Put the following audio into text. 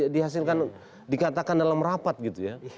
dihasilkan dikatakan dalam rapat gitu ya